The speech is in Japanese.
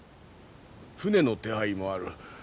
船の手配もある。